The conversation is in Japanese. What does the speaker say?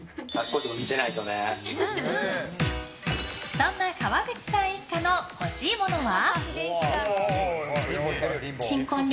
そんな川口さん一家の欲しいものは？